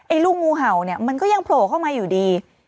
ลูกงูเห่าเนี่ยมันก็ยังโผล่เข้ามาอยู่ดี